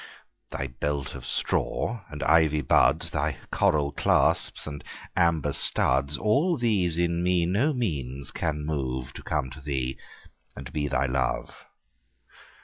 Thy belt of straw and ivy buds, Thy coral clasps and amber studs, All these in me no means can move To come to thee and be thy love.